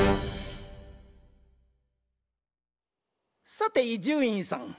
さて伊集院さん。